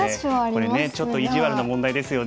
これねちょっと意地悪な問題ですよね。